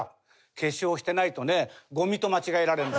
「化粧してないとねゴミと間違えられるの」。